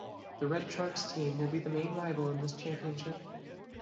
The Red Sharks team will be the main rival in this championship.